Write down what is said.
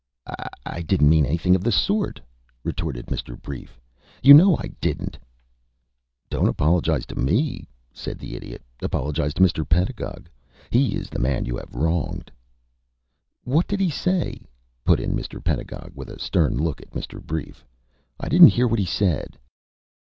"I didn't mean anything of the sort," retorted Mr. Brief. "You know I didn't." "Don't apologize to me," said the Idiot. "Apologize to Mr. Pedagog. He is the man you have wronged." "What did he say?" put in Mr. Pedagog, with a stern look at Mr. Brief. "I didn't hear what he said."